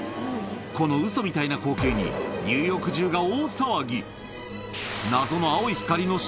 このウソみたいな光景に、ニューヨーク中が大騒ぎ。